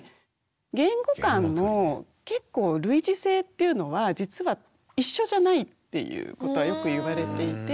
言語間の結構類似性っていうのは実は一緒じゃないっていうことはよく言われていて。